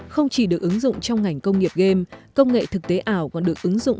không chỉ được ứng dụng trong ngành công nghiệp game công nghệ thực tế ảo còn được ứng dụng